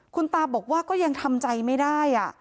คุณตาบอกว่าก็ยังทำใจไม่ได้